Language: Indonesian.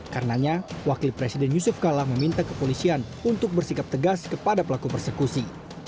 karenanya wakil presiden yusuf kala meminta kepolisian untuk bersikap tegas kepada pelaku persekusi